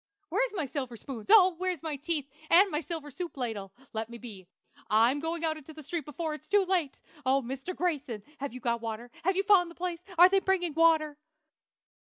Where's my silver spoons? Oh, where's my teeth, and my silver soup ladle? Let me be! I'm going out in the street before it's too late! Oh, Mr. Grayson! have you got water? have you found the place? are they bringing water?